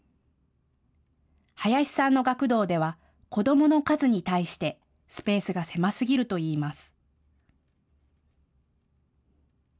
林さんの学童では子どもの数に対してスペースが狭すぎるといいます。